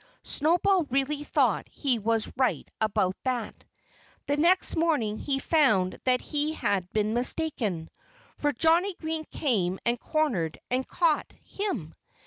'" Snowball really thought he was right about that. The next morning he found that he had been mistaken. For Johnnie Green came and cornered and caught him.